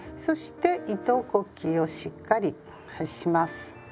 そして糸こきをしっかりします。